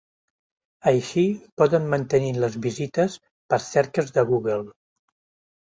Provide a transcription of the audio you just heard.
Així poden mantenir les visites per cerques de Google.